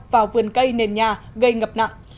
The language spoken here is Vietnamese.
vào vườn cây nền nhà gây ngập nặng